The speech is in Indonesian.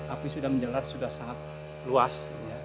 api sudah menjelat sudah sangat luas